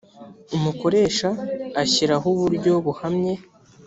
umukoresha ashyiraho uburyo buhamye